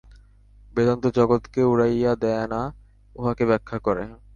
বেদান্ত জগৎকে উড়াইয়া দেয় না, উহাকে ব্যাখ্যা করে।